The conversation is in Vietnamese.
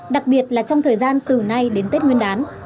đặc biệt là trong thời gian từ nay đến tết nguyên đán